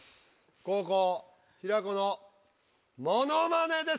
後攻平子のモノマネです。